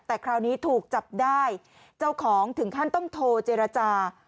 แต่คราวนี้ถูกจับได้เจ้าของถึงขั้นต้องโทรเจรจา